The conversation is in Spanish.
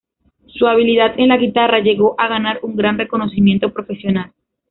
Su habilidad en la guitarra llegó a ganar un gran reconocimiento profesional.